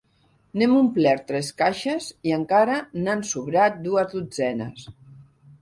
N'hem omplert tres caixes i encara n'han sobrat dues dotzenes.